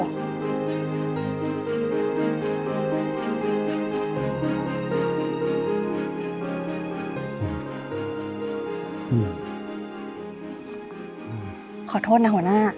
ขอโทษนะหัวหน้า